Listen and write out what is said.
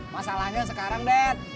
masalahnya sekarang bet